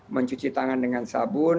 mencuci tangan dengan sabun